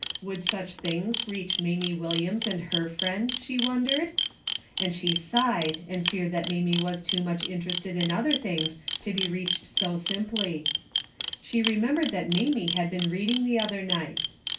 Would such things reach Mamie Williams and her friend, she wondered ? And she sighed and feared that Mamie was too much interested in other things to be reached so simply. She remembered that Mamie had been reading the other night.